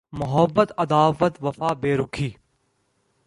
Muhabbat Adawat Wafa Berukhi